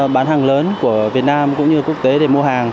bán hàng lớn của việt nam cũng như quốc tế để mua hàng